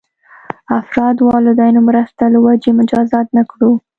افراد والدینو مرسته له وجې مجازات نه کړو.